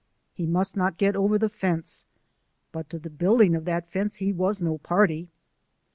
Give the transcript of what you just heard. He must not get over the fence: but to the building of that fence he was no party.